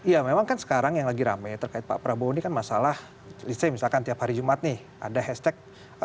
ya memang kan sekarang yang lagi rame terkait pak prabowo ini kan masalah listrik misalkan tiap hari jumat nih ada hashtag